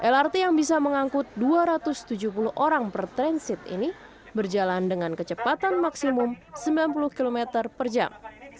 lrt yang bisa mengangkut dua ratus tujuh puluh orang per transit ini berjalan dengan kecepatan maksimum sembilan puluh km per jam